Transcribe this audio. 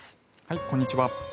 こんにちは。